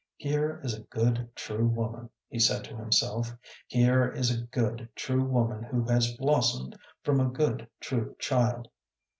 "Here is a good, true woman," he said to himself. "Here is a good, true woman, who has blossomed from a good, true child."